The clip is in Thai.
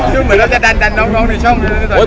แล้วจะดันน้องในช่องด้วยนะตอนนี้